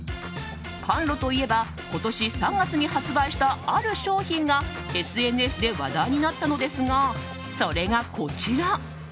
カンロといえば今年３月に発売したある商品がＳＮＳで話題になったのですがそれが、こちら。